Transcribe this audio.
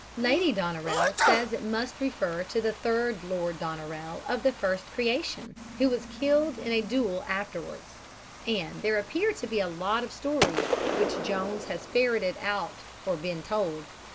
"Lady Doneraile says it must refer to the third Lord Doneraile of the first creation, who was killed in a duel afterwards; and there appear to be a lot of stories which Jones has ferreted out or been told.